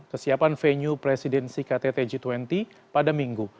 kesiapan venue presidensi ktt g dua puluh pada minggu